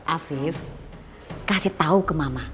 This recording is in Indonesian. afif kasih tahu ke mama